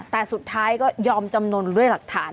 แต่สุดท้ายก็ยอมจำนวนด้วยหลักฐาน